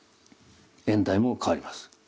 演題も変わります。